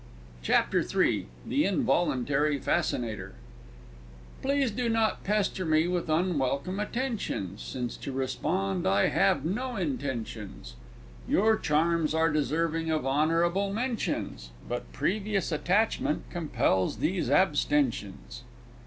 CHAPTER III THE INVOLUNTARY FASCINATOR Please do not pester me with unwelcome attentions, Since to respond I have no intentions! Your Charms are deserving of honourable mentions But previous attachment compels these abstentions!